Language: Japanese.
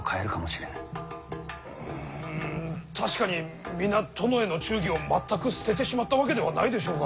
うん確かに皆殿への忠義を全く捨ててしまったわけではないでしょうが。